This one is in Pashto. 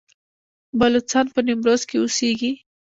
بلوڅان په نیمروز کې اوسیږي؟